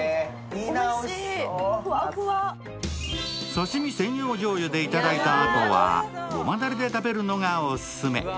さしみ専用しょうゆでいただいたあとはごまだれで食べるのがオススメ。